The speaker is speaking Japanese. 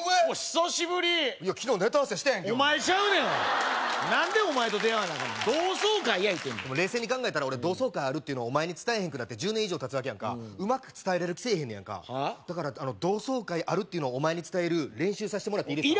久しぶり昨日ネタ合わせしたやんけお前ちゃうのやわ何でお前と出会わなアカンねん同窓会や言うてんのや冷静に考えたら俺同窓会あるのをお前に伝えへんくなって１０年以上たつわけやんかうまく伝えられる気せえへんねやんかだから同窓会あるっていうのをお前に伝える練習させてもらっていいですか？